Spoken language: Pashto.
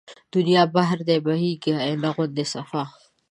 دنيا بحر دی بهيږي آينه غوندې صفا